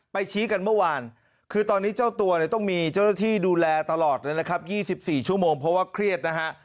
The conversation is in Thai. ชี้กันเมื่อวานคือตอนนี้เจ้าตัวเนี่ยต้องมีเจ้าหน้าที่ดูแลตลอดเลยนะครับ๒๔ชั่วโมงเพราะว่าเครียดนะฮะ